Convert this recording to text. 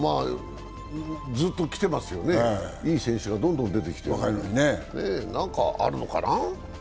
ずっと来ていますよね、いい選手がどんどん出てきてる何かあるのかな？